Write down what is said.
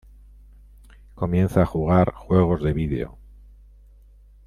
Comienza a jugar juegos de video.